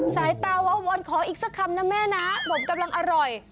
สายตาว่าวอนขออีกสักคำนะแม่นะผมกำลังอร่อย